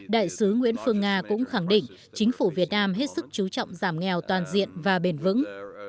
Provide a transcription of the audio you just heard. đại sứ nguyễn phương nga cũng khẳng định chính phủ việt nam hết sức chú trọng giảm nghèo toàn diện và bền vững